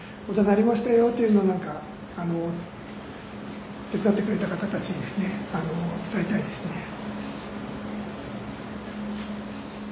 こんなになりましたよっていうのを何か手伝ってくれた方たちにですね伝えたいですね。